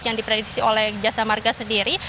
yang diprediksi oleh jasa marga sendiri